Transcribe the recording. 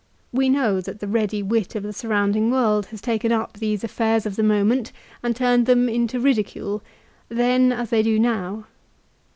We know that the ready wit of the surrounding world has taken up these affairs of the moment and turned them into ridicule, then as they do now.